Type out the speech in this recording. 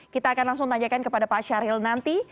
kita akan langsung tanyakan kepada pak syahril nanti